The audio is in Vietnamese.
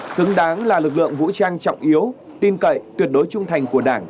xứng đáng là lực lượng vũ trang trọng yếu tin cậy tuyệt đối trung thành của đảng